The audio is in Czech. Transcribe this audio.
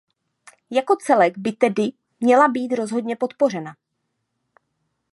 Jako celek by tedy měla být rozhodně podpořena.